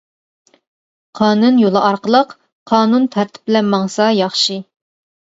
قانۇن يولى ئارقىلىق، قانۇن تەرتىپ بىلەن ماڭسا ياخشى.